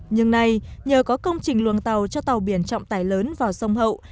nhưng nay nhờ có công trình luồng tàu cho tàu biển trọng tải lớn vào sông hậu